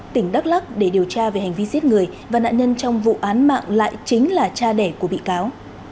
tỉnh đắk lắc để điều tra về hành vi giết người và nạn nhân trong vụ án mạng lại chính là cha đẻ của bị cáo